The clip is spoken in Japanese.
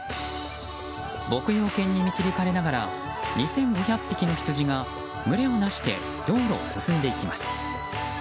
牧羊犬に導かれながら２５００匹のヒツジが群れをなして道路を進んでいきます。